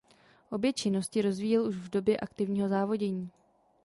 Obě činnosti rozvíjel už v době aktivního závodění.